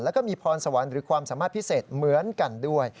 แล้วก็มีพรสวรรค์หรือความสามารถพิเศษเหมือนกันด้วย